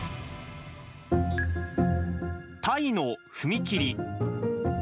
タイの踏切。